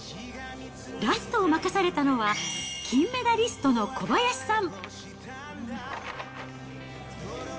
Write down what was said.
ラストを任されたのは、金メダリストの小林さん。